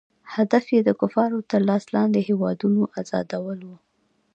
هدف یې د کفارو تر لاس لاندې هیوادونو آزادول وو.